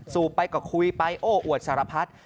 สูบไปก็คุยไปโอ้อวดสารพัฒน์